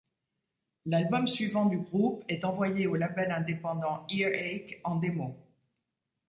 L'album suivant du groupe est envoyé au label indépendant Earache, en démo.